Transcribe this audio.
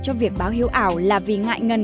cho việc báo hiếu ảo là vì ngại ngần